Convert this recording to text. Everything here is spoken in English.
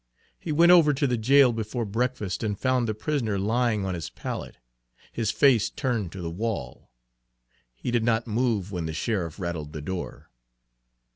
He went over to the jail before breakfast and found the prisoner lying on his pallet, his face turned to the wall; he did not move when the sheriff rattled the door.